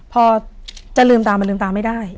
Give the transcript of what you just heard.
พอจะลืมตามันลืมตาไม่ได้